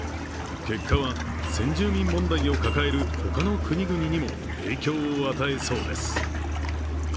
結果は、先住民問題を抱える他の国々にも影響を与えそうです。